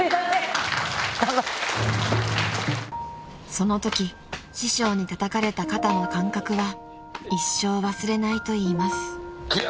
［そのとき師匠にたたかれた肩の感覚は一生忘れないといいます］